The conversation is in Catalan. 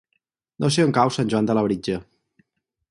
No sé on cau Sant Joan de Labritja.